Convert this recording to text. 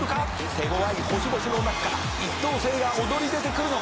「手ごわい星々の中から１等星が躍り出てくるのか」